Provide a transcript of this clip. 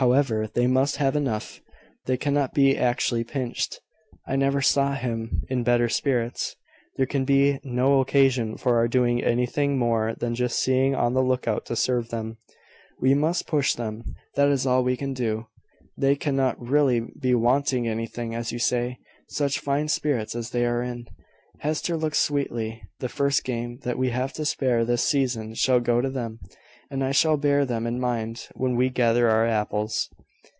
However, they must have enough: they cannot be actually pinched. I never saw him in better spirits. There can be no occasion for our doing anything more than just being on the look out to serve them." "We must push them that is all we can do. They cannot really be wanting anything, as you say, such fine spirits as they are in. Hester looks sweetly. The first game that we have to spare this season shall go to them: and I shall bear them in mind when we gather our apples."